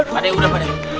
pakde udah pakde